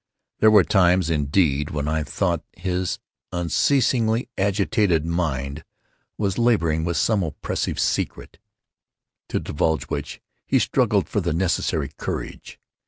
There were times, indeed, when I thought his unceasingly agitated mind was laboring with some oppressive secret, to divulge which he struggled for the necessary courage.